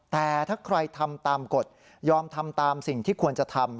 แต่ถ้าใครทำตามกฎยอมทำตามสิ่งที่ควรจะทำ